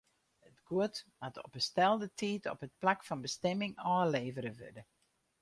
It guod moat op 'e stelde tiid op it plak fan bestimming ôflevere wurde.